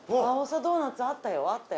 ドーナツあったよあったよ。